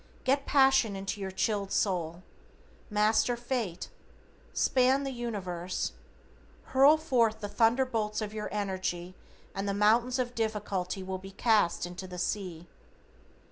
Get passion into your chilled soul. Master fate. Span the universe. Hurl forth the thunderbolts of your energy and the mountains of difficulty will be cast into the sea.